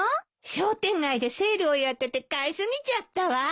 商店街でセールをやってて買い過ぎちゃったわ。